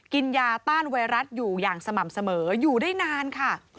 กินยาต้านไวรัสอยู่อย่างสม่ำเสมออยู่ได้นานค่ะ